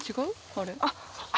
あれ。